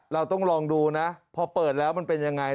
เราต้องลองดูนะพอเปิดแล้วมันเป็นยังไง